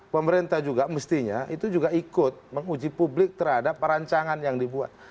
pemerintah juga mestinya itu juga ikut menguji publik terhadap perancangan yang dibuat